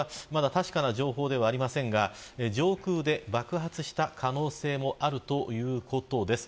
確かな情報ではありませんが上空で爆発した可能性もあるということです。